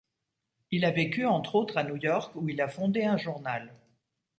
Il a vécu entre autres à New York, où il a fondé un journal.